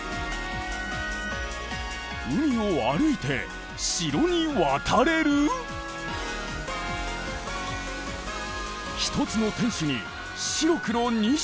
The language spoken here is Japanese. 海を歩いて城に渡れる⁉１つの天守に白黒２色！